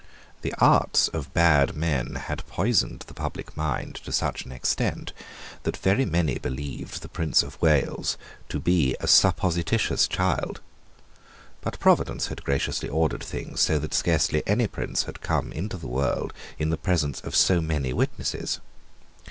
The arts of bad men had poisoned the public mind to such an extent that very many believed the Prince of Wales to be a supposititious child. But Providence had graciously ordered things so that scarcely any prince had ever come into the world in the presence of so many witnesses.